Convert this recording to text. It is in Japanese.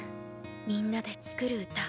みんなで作る歌。